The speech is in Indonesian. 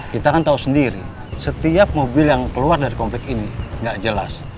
kita kan tahu sendiri setiap mobil yang keluar dari komplek ini nggak jelas